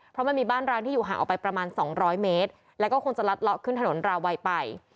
เพราะมันมีบ้านร้างที่อยู่ห่างออกไปประมาณสองร้อยเมตรแล้วก็คงจะลัดเลาะขึ้นถนนราวัยไป